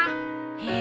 へえ。